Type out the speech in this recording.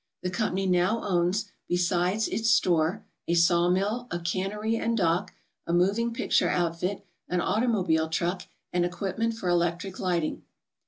The company now owns, besides its store, a saw mill, a cannery and dock, a moving picture outfit, an automobile truck, and equipment for electric lighting.